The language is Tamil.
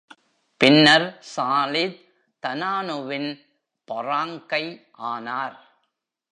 பின்னர், சாலித், தனானுவின் பராங்கய் ஆனார்.